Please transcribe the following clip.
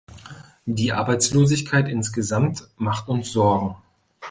Die Arbeitslosigkeit insgesamt macht uns Sorgen.